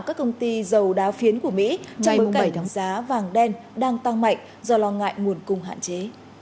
các công ty dầu đá phiến của mỹ trong ngày tháng giá vàng đen đang tăng mạnh do lo ngại nguồn cung hạn chế